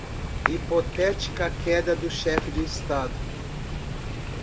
Hipotética queda do chefe de Estado